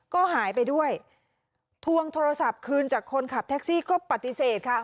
ก็หายไปด้วยทวงโทรศัพท์คืนจากคนขับแท็กซี่ก็ปฏิเสธค่ะ